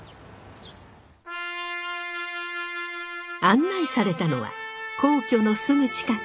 案内されたのは皇居のすぐ近く。